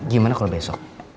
gimana kalau besok